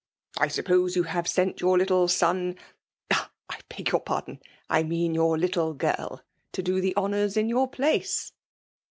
'* I suppose you have sent your little son — I beg your pardon — I mean your little girl, to do the honours in your place